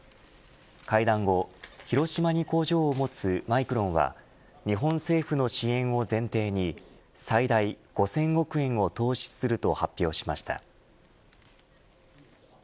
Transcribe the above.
会談後、広島に工場を持つマイクロンは日本政府の支援を前提に最大５０００億円を投資すると発表しました。